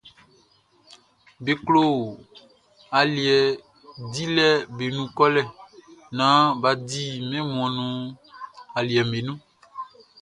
Be klo aliɛ diwlɛʼm be nun kɔlɛ naan bʼa di mɛn wunmuanʼn nun aliɛʼm be nun.